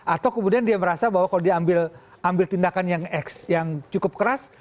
atau kemudian dia merasa bahwa kalau dia ambil tindakan yang cukup keras